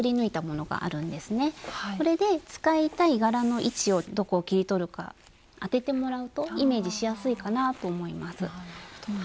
これで使いたい柄の位置をどこを切り取るか当ててもらうとイメージしやすいかなぁと思います。